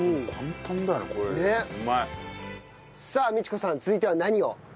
さあ道子さん続いては何を？